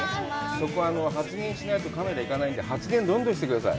そこは発言しないとカメラ行かないので、発言をどんどんしてください。